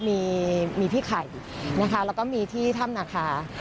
มีพี่ไข่นะคะแล้วก็มีที่ถ้ำนาคา